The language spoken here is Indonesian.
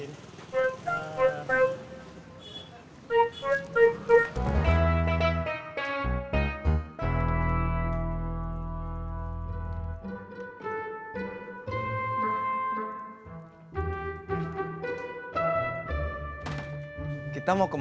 ini gini tuh sih